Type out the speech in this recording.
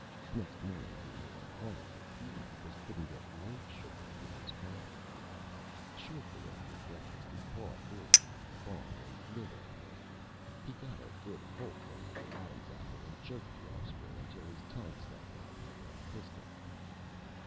Next Morning he made a Horrible Beef because he couldn't get Loaf Sugar for his Coffee. Shortly after Breakfast his Paw lured him into the Barn and Lit on him. He got a good Holt on the Adam's Apple and choked the Offspring until his Tongue stuck out like a Pistil.